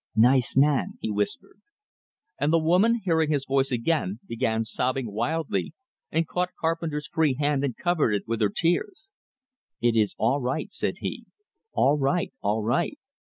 "Nice man!" he whispered; and the woman, hearing his voice again, began sobbing wildly, and caught Carpenter's free hand and covered it with her tears. "It is all right," said he; "all right, all right!